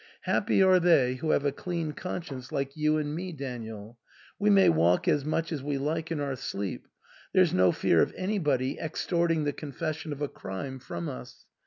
Happy are they who have a clean conscience like you and me, Daniel ! We may walk as much as we like in our sleep ; there's no fear of anybody extorting the confession of a crime from us.